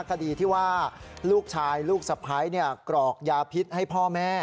คดีที่ว่าลูกชายลูกสะพ้ายกรอกยาพิษให้พ่อแม่